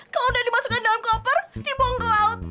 kalau sudah dimasukkan ke dalam koper dibongkok ke laut